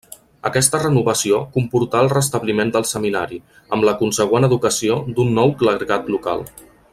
Aquesta renovació comportà el restabliment del Seminari, amb la consegüent educació d'un nou clergat local.